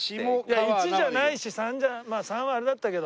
１じゃないし３じゃ３はあれだったけど。